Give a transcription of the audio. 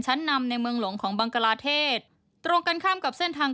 ชั้นนำในเมืองหลวงของบังกลาเทศตรงกันข้ามกับเส้นทาง